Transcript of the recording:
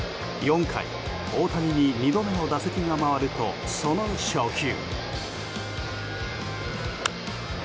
４回、大谷に２度目の打席が回るとその初球。